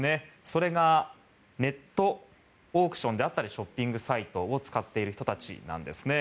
それがネットオークションであったりショッピングサイトを使っている人たちなんですね。